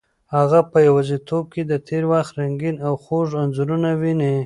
هغه په یوازیتوب کې د تېر وخت رنګین او خوږ انځورونه ویني.